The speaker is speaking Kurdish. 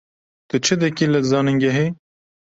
Tu çi dikî li zanîngehê?